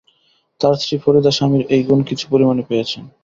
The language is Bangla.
তাঁর স্ত্রী ফরিদা স্বামীর এই গুণ কিছু পরিমাণে পেয়েছেন।